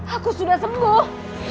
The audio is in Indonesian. aku sudah sembuh